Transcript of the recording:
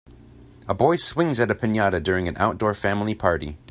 A boy swings at a pinata during an outdoor family party.